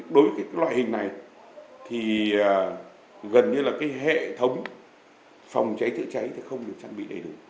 đối với loại hình này thì gần như là hệ thống phòng cháy chữa cháy không được sản bị